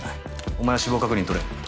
お前は死亡確認を取れ。